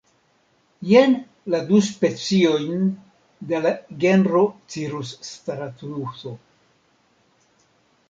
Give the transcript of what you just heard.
Jen la du speciojn de la genro cirusstratuso.